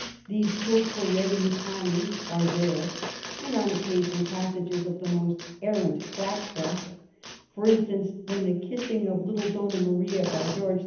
The purpurei panni are there, and on occasion passages of the most arrant clap trap — for instance, when the kissing of little Donna Maria by George IV.